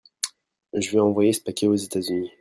Je veux envoyer ce paquet aux États-Unis.